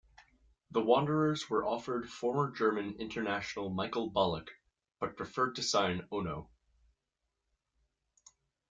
The Wanderers were offered former German international Michael Ballack but preferred to sign Ono.